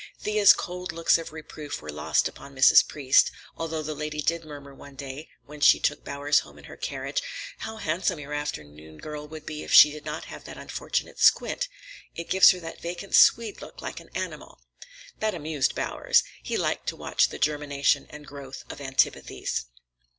Thea's cold looks of reproof were lost upon Mrs. Priest; although the lady did murmur one day when she took Bowers home in her carriage, "How handsome your afternoon girl would be if she did not have that unfortunate squint; it gives her that vacant Swede look, like an animal." That amused Bowers. He liked to watch the germination and growth of antipathies.